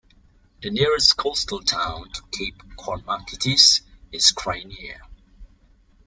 The nearest coastal town to Cape Kormakitis is Kyrenia.